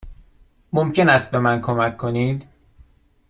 ممکن است به من کمک کنید؟